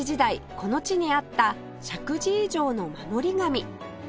この地にあった石神井城の守り神